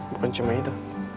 bukan cuma itu